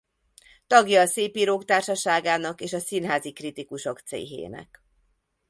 Tagja a Szépírók Társaságának és a Színházi Kritikusok Céhének.